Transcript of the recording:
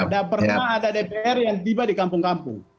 tidak pernah ada dpr yang tiba di kampung kampung